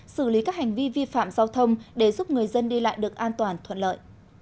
xử lý các hành vi vi phạm giao thông để giúp người dân đi lại được an toàn thuận lợi